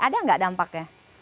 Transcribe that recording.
ada nggak dampaknya